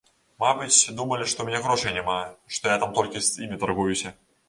Мабыць, думалі, што ў мяне грошай няма, што я так толькі з імі таргуюся.